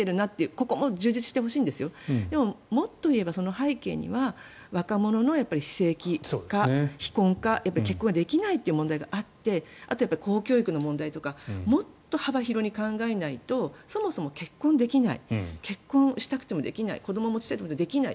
ここも充実してほしいんですけどもっと言えば、その背景には若者の非正規化、非婚化結婚ができないという問題があってあとやっぱり公教育の問題とかもっと幅広に考えないとそもそも結婚できない結婚したくてもできない子どもを持ちたいと思ってもできない。